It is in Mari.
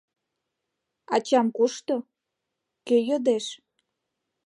«Ачам кушто?» — кӧ йодеш?